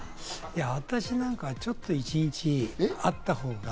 私なんかはちょっと一日あったほうが。